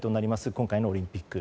今回のオリンピック。